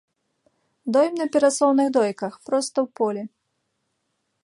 Доім на перасоўных дойках, проста ў полі.